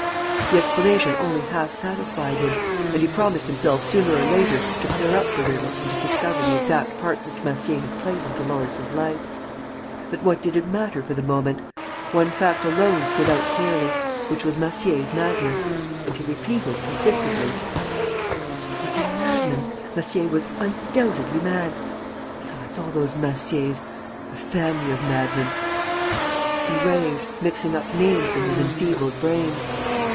The explanation only half satisfied him, and he promised himself sooner or later to clear up the riddle and to discover the exact part which Massier had played in Dolores' life. But what did it matter for the moment? One fact alone stood out clearly, which was Massier's madness, and he repeated, persistently: "He was a madman ... Massier was undoubtedly mad. Besides, all those Massiers ... a family of madmen. ..." He raved, mixing up names in his enfeebled brain.